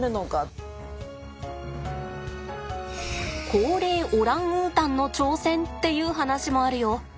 高齢オランウータンの挑戦っていう話もあるよ。